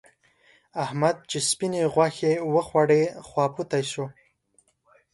احمد چې سپينې غوښې وخوړې؛ خواپوتی شو.